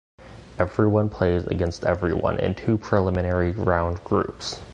"Everyone plays against everyone" in two preliminary round groups.